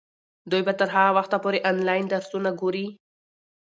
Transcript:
دوی به تر هغه وخته پورې انلاین درسونه ګوري.